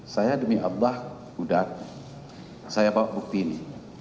saya demi allah buddha saya bawa bukti ini